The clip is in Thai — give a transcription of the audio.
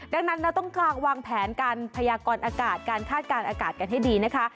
ดังนั้นเราต้องวางแผนการพยากรอากาศการคาดการณ์อากาศกันให้ดีนะคะ